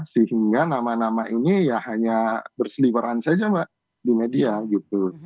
sehingga nama nama ini ya hanya berseliwaran saja mbak di media gitu